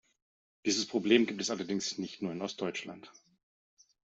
Dieses Problem gibt es allerdings nicht nur in Ostdeutschland.